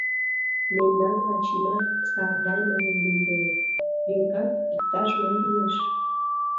Мемнан Вачимат Сардай манын лӱмденыт, векат, иктаж-мо лиеш..